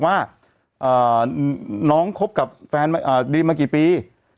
ว่าน้องคบกับแฟนดีมมากี่ปี